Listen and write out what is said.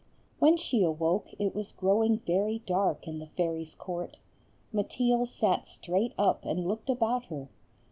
When she awoke it was growing very dark in the fairies' court. Mateel sat straight up and looked about her.